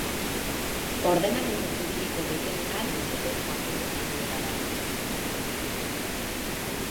Ordenamendu juridiko gehienetan legez kanpoko jarduera da.